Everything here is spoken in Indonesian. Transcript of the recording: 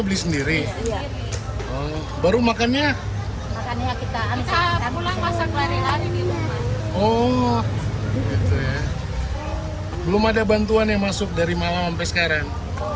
belum ada bantuan yang masuk dari malam sampai sekarang